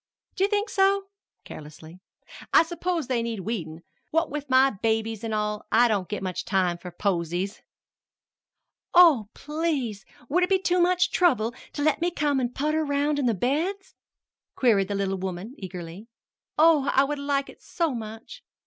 "Do you think so?" carelessly; "I s'pose they need weedin'. What with my babies an' all, I don't get much time for posies." "Oh, please, would it be too much trouble to let me come an' putter around in the beds?" queried the little woman eagerly. "Oh, I would like it so much!"